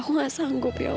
aku nggak sanggup ya allah